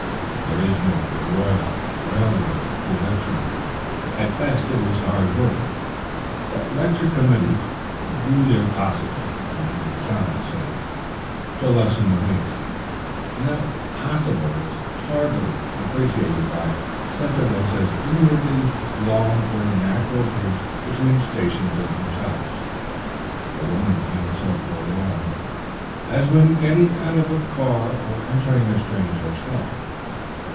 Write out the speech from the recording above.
There is no royal railroad to lecturing. At best it is hard work, but lecture committees "do their possible," as the Italians say, to lessen the weight, and that "possible" is heartily appreciated by such of us as inwardly long for a natural bridge between stations and hotels. A woman is never so forlorn as when getting out of a car or entering a strange hotel.